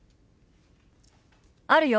あるよ。